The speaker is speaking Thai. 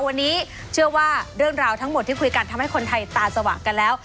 วันนี้เชื่อว่าเรื่องราวทั้งหมดที่คุยกันทำให้คนไทยตาสว่างกันแล้ว